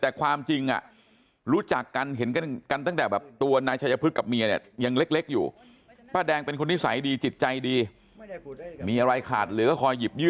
แต่ความจริงอ่ะรู้จักกันเห็นกันกันตั้งแต่แบบตัวนายชัยภึกกับเมียเนี่ยยังเล็กอยู่